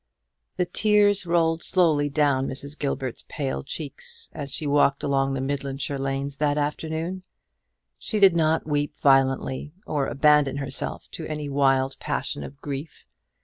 The tears rolled slowly down Mrs. Gilbert's pale cheeks as she walked along the Midlandshire lanes that afternoon. She did not weep violently, or abandon herself to any wild passion of grief.